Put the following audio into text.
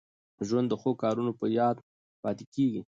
ژوند د ښو کارونو په یاد پاته کېږي.